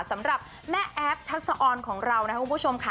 สำหรับแม่แอฟทัศออนของเรานะครับคุณผู้ชมค่ะ